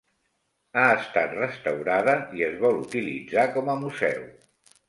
Ha estat restaurada i es vol utilitzar com a museu.